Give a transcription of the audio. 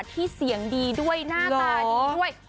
ที่เสียงดีด้วยหน้าตาดีด้วย